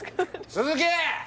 鈴木！